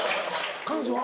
彼女は？